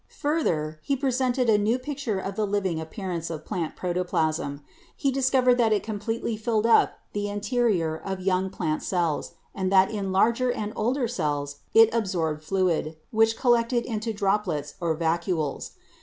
Further, he presented a new picture of the living appear ance of plant protoplasm ; he discovered that it completely filled up the interior of young plant cells, and that in larger and older cells, it absorbed fluid, which collected into droplets or vacuoles.